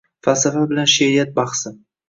Falsafa bilan she’riyat bahsi